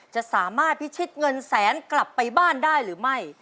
จะสามารถพิชิตเงินแสนกลับไปบ้านได้หรือไม่